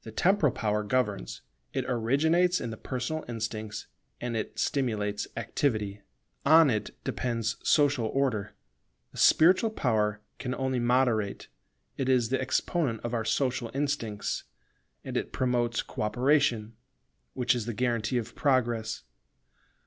The temporal power governs: it originates in the personal instincts, and it stimulates activity. On it depends social Order. The spiritual power can only moderate: it is the exponent of our social instincts, and it promotes co operation, which is the guarantee of Progress.